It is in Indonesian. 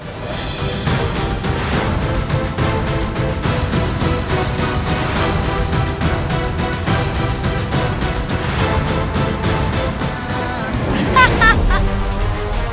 senang sudah telahthis dengan diri yang baik